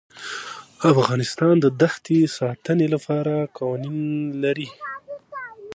افغانستان د ښتې د ساتنې لپاره قوانین لري.